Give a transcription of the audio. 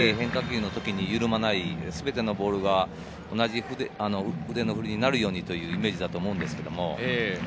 特に変化球の時に緩まないすべてのボールが同じ腕の振りになるようにというイメージだと思います。